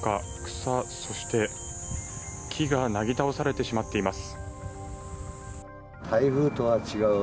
草、そして木がなぎ倒されてしまっています。